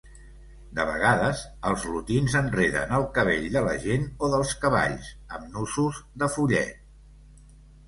De vegades, els lutins enreden el cabell de la gent o dels cavalls amb nussos de follet.